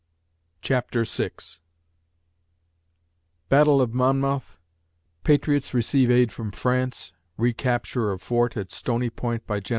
CHAPTER VI BATTLE OF MONMOUTH PATRIOTS RECEIVE AID FROM FRANCE RECAPTURE OF FORT AT STONY POINT BY GEN.